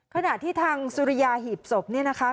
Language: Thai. ขณะที่ทางสุริยาหีบศพเนี่ยนะคะ